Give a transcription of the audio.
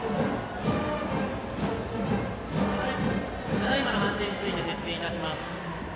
ただいまの判定について説明いたします。